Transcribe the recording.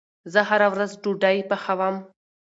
زه هره ورځ ډوډې پخوم